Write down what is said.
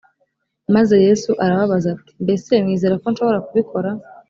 maze yesu arababaza ati mbese mwizera ko nshobora kubikora